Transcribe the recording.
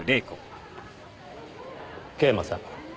桂馬さん